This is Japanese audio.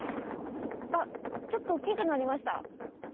あっちょっと大っきくなりました。